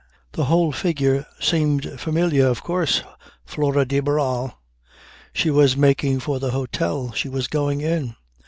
The whole figure seemed familiar. Of course! Flora de Barral. She was making for the hotel, she was going in.